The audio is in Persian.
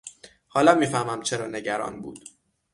حالا میفهمم چرا نگران بود.